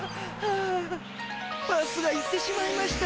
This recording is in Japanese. バスが行ってしまいました。